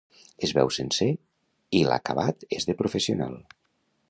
Es veu sencer i l'acabat és de professional!